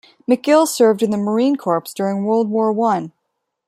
McGill served in the Marine Corps during World War One.